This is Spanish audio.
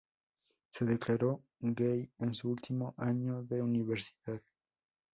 Se declaró gay en su último año de universidad.